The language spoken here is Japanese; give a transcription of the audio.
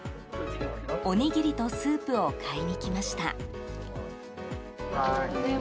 おにぎりとスープを買いに来ました。